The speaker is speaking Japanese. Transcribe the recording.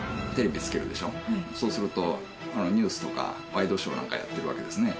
そうするとニュースとかワイドショーなんかやってるわけですね。